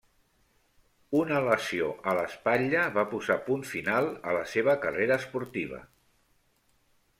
Una lesió a l'espatlla va posar punt final a la seva carrera esportiva.